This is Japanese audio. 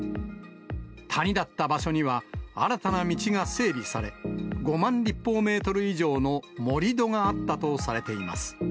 谷だった場所には新たな道が整備され、５万立方メートル以上の盛り土があったとされています。